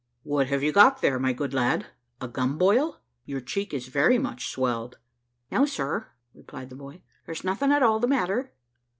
"What have you got there, my good lad a gum boil? your cheek is very much swelled." "No, sir," replied the boy, "there's nothing at all the matter."